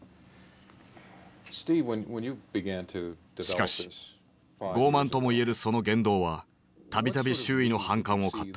しかし傲慢とも言えるその言動はたびたび周囲の反感を買った。